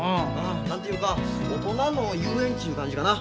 何て言うか大人の遊園地いう感じかな。